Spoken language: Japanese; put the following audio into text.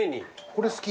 これ好き。